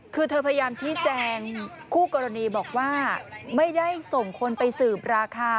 คือเธอพยายามชี้แจงคู่กรณีบอกว่าไม่ได้ส่งคนไปสืบราคา